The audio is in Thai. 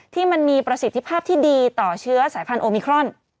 ที่มีประสิทธิภาพที่ดีต่อเชื้อสายพันธุมิครอน